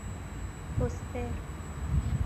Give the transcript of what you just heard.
توستر